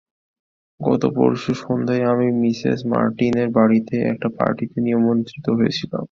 গত পরশু সন্ধ্যায় আমি মিসেস মার্টিনের বাড়ীতে একটা পার্টিতে নিমন্ত্রিত হয়েছিলাম।